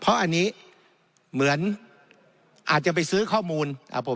เพราะอันนี้เหมือนอาจจะไปซื้อข้อมูลครับผม